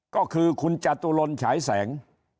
ก็คือคุณจตุรนฉายแสง